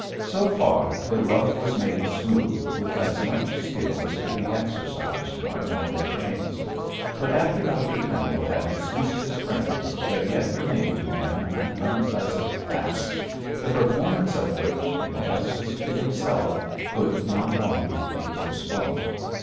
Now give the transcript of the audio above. So far the rough was made smooth, with as much skill as could be exercised by mortal brains; but after Dr Pendle had dismissed his friends there yet remained to him an unpleasant task, the performance of which, in justice to himself, could not longer be postponed.